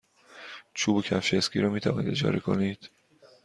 چوب و کفش اسکی را می توانید اجاره کنید.